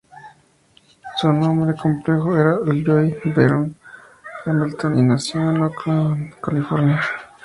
Su nombre completo era Lloyd Vernon Hamilton, y nació en Oakland, California.